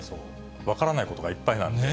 分からないことがいっぱいなんです。